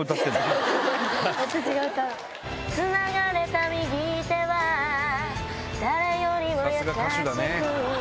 繋がれた右手は誰よりも優しく